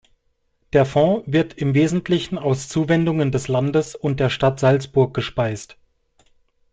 Der Fonds wird im Wesentlichen aus Zuwendungen des Landes und der Stadt Salzburg gespeist.